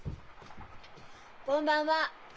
こんばんは。